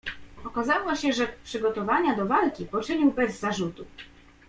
"Okazało się, że przygotowania do walki poczynił bez zarzutu."